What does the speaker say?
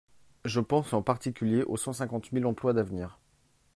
Je pense en particulier aux cent cinquante mille emplois d’avenir.